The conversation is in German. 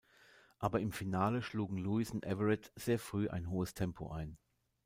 Aber im Finale schlugen Lewis und Everett sehr früh ein hohes Tempo ein.